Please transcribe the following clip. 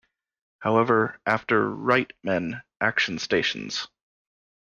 However, after Right men, action stations!